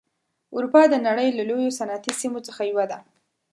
اروپا د نړۍ له لویو صنعتي سیمو څخه یوه ده.